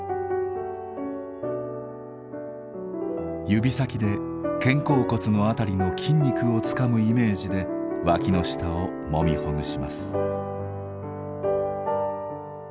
指先で肩甲骨の辺りの筋肉をつかむイメージで脇の下をもみほぐします。